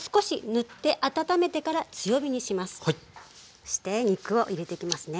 そして肉を入れていきますね。